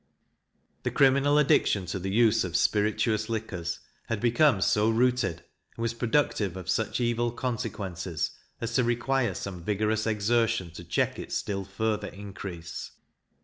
The criminal addiction to the use of spirituous liquors had become so rooted, and was productive of such evil consequences, as to require some vigorous exertion to check its still further increase.